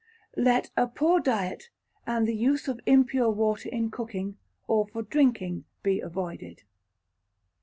Let a Poor Diet, and the use of impure water in cooking, or for drinking, be avoided.